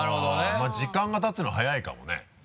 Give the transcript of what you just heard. まぁ時間がたつの早いかもね。